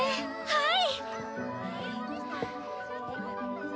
はい！